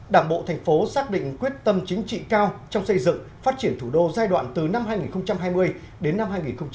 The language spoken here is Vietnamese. đảng bộ thành phố xác định quyết tâm chính trị cao trong xây dựng phát triển thủ đô giai đoạn từ năm hai nghìn hai mươi đến năm hai nghìn hai mươi năm